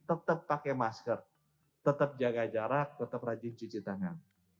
tetap pakai masker tetap jaga jarak tetap rajin cuci tangan